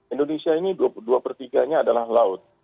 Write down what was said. indonesia ini dua per tiganya adalah laut